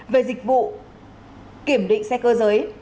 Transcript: về dịch vụ kiểm định xe cơ giới